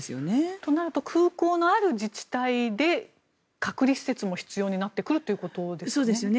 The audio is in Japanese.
となると空港のある自治体で隔離施設も必要になってくるということですかね？